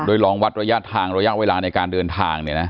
ลองวัดระยะทางระยะเวลาในการเดินทาง